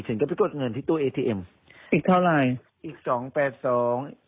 ฉันก็ไปกดเงินที่ตู้เอทีเอ็มอีกเท่าไหร่อีกสองแปดสอง